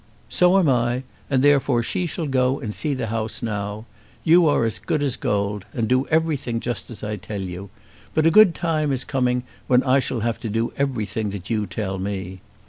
"So am I, and therefore she shall go and see the house now. You are as good as gold, and do everything just as I tell you. But a good time is coming, when I shall have to do everything that you tell me."